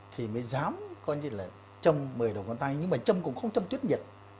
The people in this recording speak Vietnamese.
thì mới dám trâm mười đầu ngón tay nhưng mà trâm cũng không trâm tuyết nhiệt